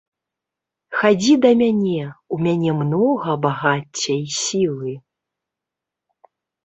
Хадзі да мяне, у мяне многа багацця і сілы.